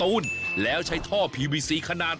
วันนี้พาลงใต้สุดไปดูวิธีของชาวเล่น